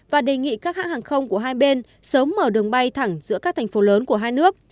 và đề nghị các hãng hàng không của hai bên sớm mở đường bay thẳng giữa các thành phố lớn của hai nước